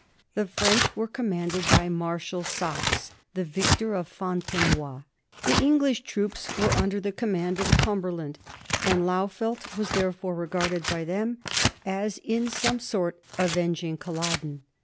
The French were commanded by Marshal Saxe, the victor of Fontenoy. The English troops were under the command of Cumber land, and Lauffeld was therefore regarded by them as in some sort avenging Culloden.